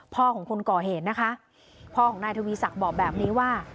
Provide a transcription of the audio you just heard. พ่อของคนก่อเหตุนะคะพ่อของนายทวีศักดิ์บอกแบบนี้ว่า